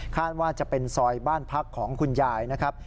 ว่าจะเป็นซอยบ้านพักของคุณยายนะครับ